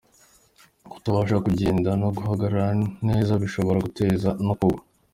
Kutabasha kugenda no guhagarara neza bishobora guteza no kugwa.